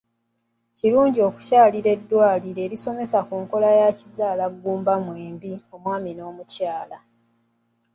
Kirungi okukyalira eddwaliro erisomesa ku nkola z'ekizaalaggumba mwembi, omwami n'omukyala.